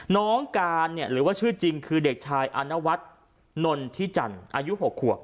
น้องการหรือว่าชื่อจริงคือเด็กชายอานวัสนทชั่นอายุหกครั่ว